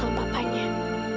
dan mendapat jawaban dari semua ini